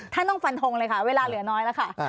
ท่านต้องฟันทงเลยค่ะเวลาเหลือน้อยแล้วค่ะ